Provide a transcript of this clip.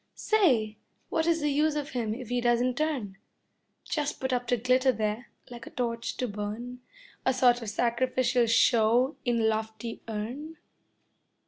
Say, what is the use of him if he doesn't turn? Just put up to glitter there, like a torch to burn, A sort of sacrificial show in a lofty urn?